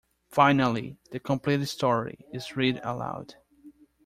Finally, the completed story is read aloud.